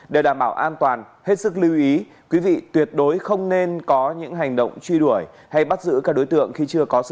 để đảm bảo an toàn hết sức lưu ý quý vị tuyệt đối không nên có những hành động truy đuổi hay bắt giữ các đối tượng khi chưa có sự